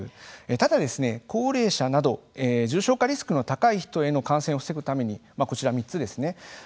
ただ、高齢者など重症化リスクの高い人への感染を防ぐためにこちら３つですね。